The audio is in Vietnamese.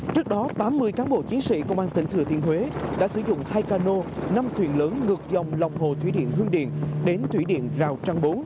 trước đó tám mươi cán bộ chiến sĩ công an tỉnh thừa thiên huế đã sử dụng hai cano năm thuyền lớn ngược dòng lòng hồ thủy điện hương điền đến thủy điện rào trang bốn